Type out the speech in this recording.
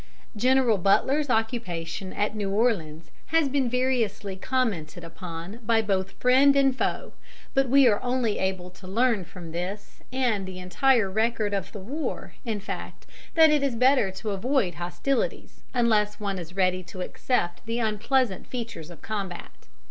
General Butler's occupation at New Orleans has been variously commented upon by both friend and foe, but we are only able to learn from this and the entire record of the war, in fact, that it is better to avoid hostilities unless one is ready to accept the unpleasant features of combat.